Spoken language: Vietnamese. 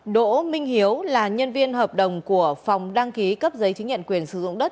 đỗ minh hiếu là nhân viên hợp đồng của phòng đăng ký cấp giấy chứng nhận quyền sử dụng đất